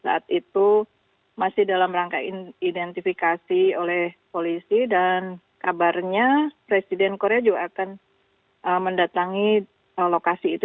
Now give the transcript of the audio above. saat itu masih dalam rangka identifikasi oleh polisi dan kabarnya presiden korea juga akan mendatangi lokasi itu